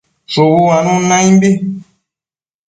Shubu uanun naimbi